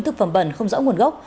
thực phẩm bẩn không rõ nguồn gốc